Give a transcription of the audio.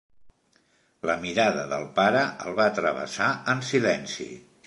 La mirada del pare el va travessar en silenci.